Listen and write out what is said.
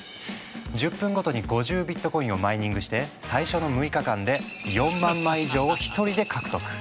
１０分ごとに５０ビットコインをマイニングして最初の６日間で４万枚以上を１人で獲得。